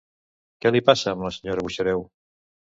Què li passa amb la senyora Buxareu?